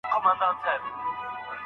محیط مو په خپله ګټه وکاروئ.